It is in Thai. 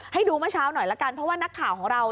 ให้ดูเมื่อเช้าหน่อยละกันเพราะว่านักข่าวของเรา